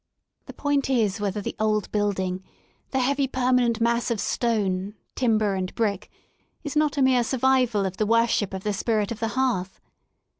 The point is whether the old building," the heavy permanent mass of stone, timber, and brick is not a mere survival of the worship of the spirit of the hearth.